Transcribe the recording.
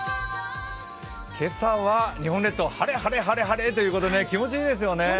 今朝は日本列島晴れ、晴れ、晴れということで気持ちいいですよね。